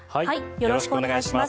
よろしくお願いします。